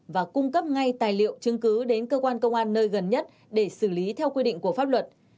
và cung cấp ngay tài liệu chứng cứ đến cơ quan công an nơi gần nhất để xử lý theo quy định của pháp luật